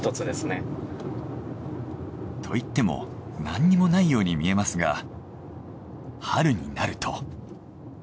といっても何にもないように見えますが春になると。